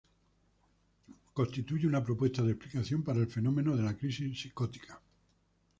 Constituye una propuesta de explicación para el fenómeno de la crisis psicótica.